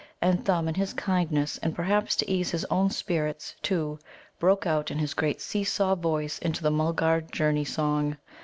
And Thumb, in his kindness, and perhaps to ease his own spirits, too, broke out in his great seesaw voice into the Mulgar journey song.